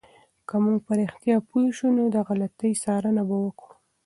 که موږ په رښتیا پوه شو، نو د غلطي څارنه به وکړو.